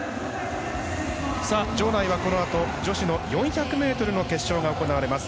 場外は、このあと女子の４００ｍの決勝が行われます。